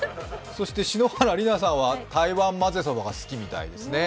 篠原梨菜さんは台湾混ぜそばが好きみたいですね。